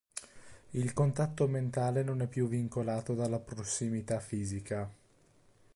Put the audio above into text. Il contatto mentale non è più vincolato dalla prossimità fisica...